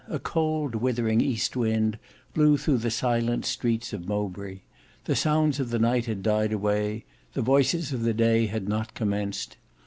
A cold withering east wind blew through the silent streets of Mowbray. The sounds of the night had died away, the voices of the day had not commenced.